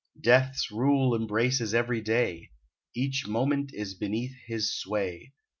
Death's rule embraces every day: Each moment is beneath his sway.